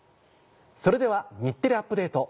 それでは『日テレアップＤａｔｅ！』